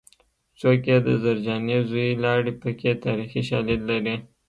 څوک یې د زرجانې زوی لاړې پکې تاریخي شالید لري